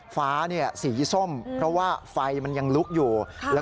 ฟ้าเนี่ยสีส้มเพราะว่าไฟมันยังลุกอยู่